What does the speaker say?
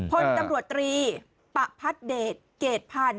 พลตำรวจตรีปะพัดเดชเกรดพันธ์